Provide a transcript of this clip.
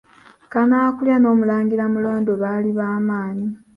Kanaakulya n’Omulangira Mulondo bali bamanyi.